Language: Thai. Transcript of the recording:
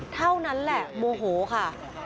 เท่านั้นแหละโมโหค่ะ